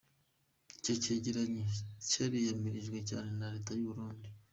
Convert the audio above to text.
Icyo cegeranyo cyariyamirijwe cyane na leta y'u Burundi.